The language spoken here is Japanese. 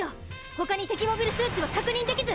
ほかに敵モビルスーツは確認できず。